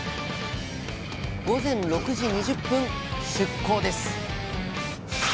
午前６時２０分出港です